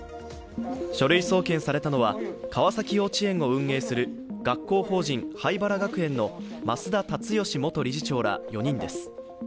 書類送検されたのは、川崎幼稚園を運営する学校法人榛原学園の増田立義元理事長ら４人です。